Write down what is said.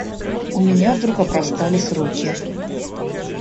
У меня вдруг опростались руки.